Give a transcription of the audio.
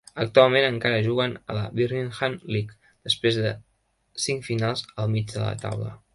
Actualment encara juguen a la Birmingham League, després de cinc finals al mig de la taula.